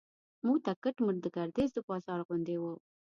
موته کټ مټ د ګردیز د بازار غوندې و.